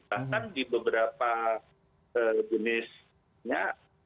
bahkan di beberapa jenisnya